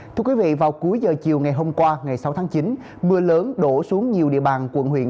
thưa quý vị vào cuối giờ chiều ngày hôm qua ngày sáu tháng chín mưa lớn đổ xuống nhiều địa bàn quận huyện